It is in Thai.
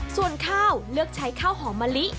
ส่วนข้าวเลือกใช้ข้าวหอมมะลิ